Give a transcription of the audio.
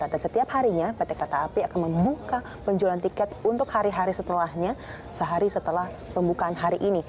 dan setiap harinya pt kereta api akan membuka penjualan tiket untuk hari hari setelahnya sehari setelah pembukaan hari ini